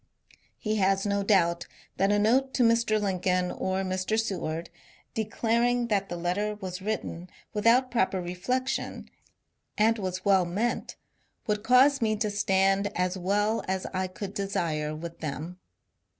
He has no doubt that a note to Mr. Lincoln or Mr. Seward, declaring that the letter was written without pro per refiection and was well meant, would cause me to stand as well as I could desire with them.